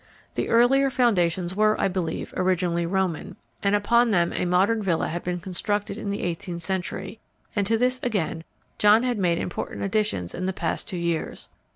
The earlier foundations were, I believe, originally Roman, and upon them a modern villa had been constructed in the eighteenth century, and to this again John had made important additions in the past two years.